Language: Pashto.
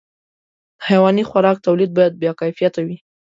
د حيواني خوراک توليد باید باکیفیته وي.